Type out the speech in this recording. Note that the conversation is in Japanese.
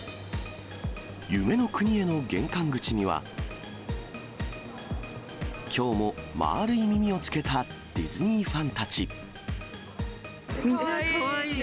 夢の国への玄関口には、きょうもまあるい耳をつけたディズニーファンたち。